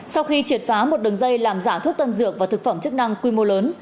sau khi triệt phá một đường dây làm giả thuốc tân dược và thực phẩm chức năng quy mô lớn